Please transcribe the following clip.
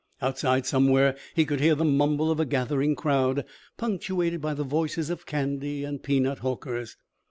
Outside, somewhere, he could hear the mumble of a gathering crowd, punctuated by the voices of candy and peanut hawkers.